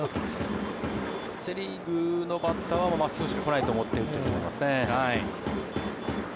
セ・リーグのバッターは真っすぐしか来ないと思って打っていると思いますね。